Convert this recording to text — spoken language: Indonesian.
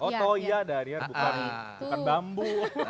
oh toya dari bukan bambu